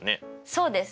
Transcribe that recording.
そうです。